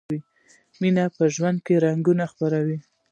مینه په ژوند کې رنګونه خپروي.